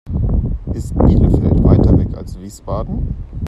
Ist Bielefeld weiter weg als Wiesbaden?